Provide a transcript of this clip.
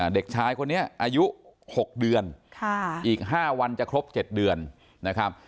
เด็กชายคนนี้อายุหกเดือนค่ะอีกห้าวันจะครบเจ็ดเดือนนะครับ